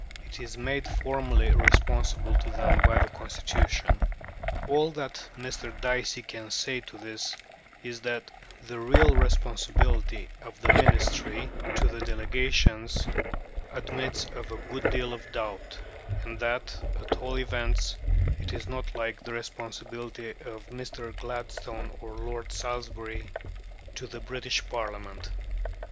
It is made formally responsible to them by the Constitution. All that Mr. Dicey can say to this is that "the real responsibility of the Ministry to the Delegations admits of a good deal of doubt," and that, at all events, it is not like the responsibility of Mr. Gladstone or Lord Salisbury to the British Parliament.